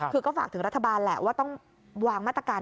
คือก็ฝากถึงรัฐบาลแหละว่าต้องวางมาตรการ